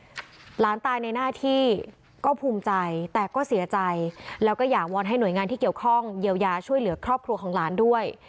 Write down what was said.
หลานตายในหน้าที่ก็ภูมิใจแต่ก็เสียใจแล้วก็อยากวอนให้หน่วยงานที่เกี่ยวข้องเยียวยาช่วยเหลือครอบครัวของหลานด้วย